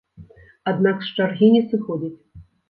Аднак з чаргі не сыходзіць.